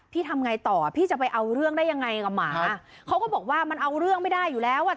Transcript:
ทำไงต่อพี่จะไปเอาเรื่องได้ยังไงกับหมาเขาก็บอกว่ามันเอาเรื่องไม่ได้อยู่แล้วอ่ะ